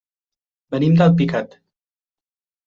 Venim d'Alpicat.